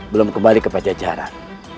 belum kembali ke pancacaran